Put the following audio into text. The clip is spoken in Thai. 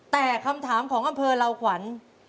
แต่คำถามของอำเภอลาวขวัญ